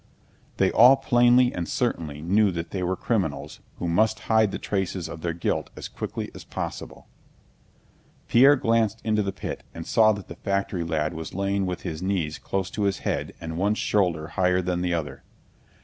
They all plainly and certainly knew that they were criminals who must hide the traces of their guilt as quickly as possible. Pierre glanced into the pit and saw that the factory lad was lying with his knees close up to his head and one shoulder higher than the other.